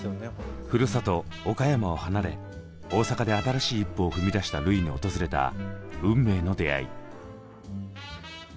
ふるさと岡山を離れ大阪で新しい一歩を踏み出したるいに訪れた運命の出会い。